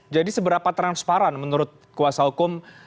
jadi seberapa transparan menurut kuasa hukum